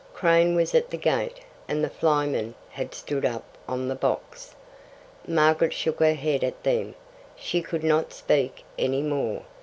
Crane was at the gate, and the flyman had stood up on the box. Margaret shook her head at them; she could not speak any more.